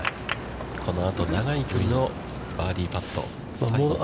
このあと、長い距離のバーディーパット。